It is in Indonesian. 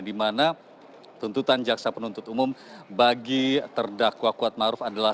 dimana tuntutan jaksa penuntut umum bagi terdakwa kuatmaruf adalah